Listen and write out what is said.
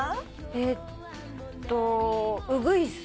えっと「ウグイス」